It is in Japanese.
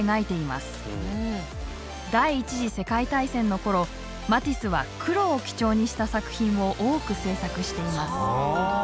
第１次世界大戦の頃マティスは「黒」を基調にした作品を多く制作しています。